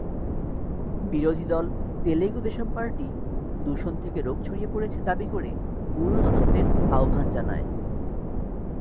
বিরোধী দল তেলুগু দেশম পার্টি দূষণ থেকে রোগ ছড়িয়ে পড়েছে দাবি করে পূর্ণ তদন্তের আহ্বান জানায়।